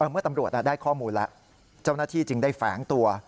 เมื่อตำรวจได้ข้อมูลแล้วเจ้าหน้าที่จึงได้แฝงตัว